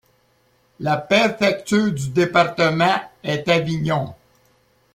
La préfecture du département est Avignon.